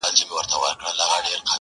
o چي هغه تللې ده نو ته ولي خپه يې روحه؛